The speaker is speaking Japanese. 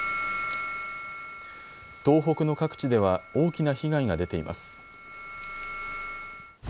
東北の各地では大きな被害が出ています。